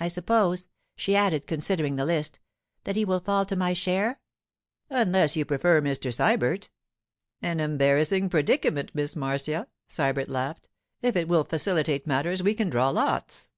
I suppose,' she added, considering the list, 'that he will fall to my share?' 'Unless you prefer Mr. Sybert.' 'An embarrassing predicament, Miss Marcia,' Sybert laughed. 'If it will facilitate matters we can draw lots.